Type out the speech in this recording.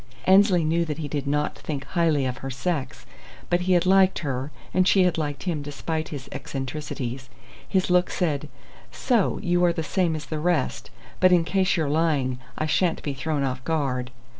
Annesley knew that he did not think highly of her sex, but he had liked her and she had liked him despite his eccentricities. His look said: "So you are the same as the rest! But in case you're lying, I sha'n't be thrown off guard."